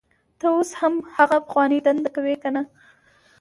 ته اوس هم هغه پخوانۍ دنده کوې کنه